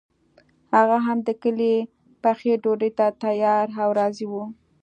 هغه هم د کلي پخې ډوډۍ ته تیار او راضي وو.